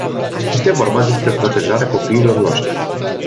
Este vorba despre protejarea copiilor noștri.